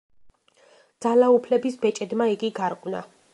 ძალაუფლების ბეჭედმა იგი გარყვნა.